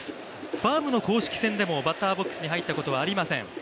ファームの公式戦でもバッターボックスに入ったことはありません。